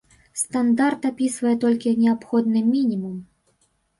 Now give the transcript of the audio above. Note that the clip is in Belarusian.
Стандарт апісвае толькі неабходны мінімум.